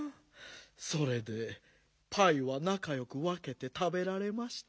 それでパイはなかよくわけてたべられましたか？